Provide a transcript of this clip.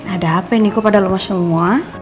ada apa ini kok pada lemas semua